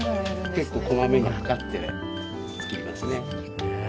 結構小まめに測って作りますねねえ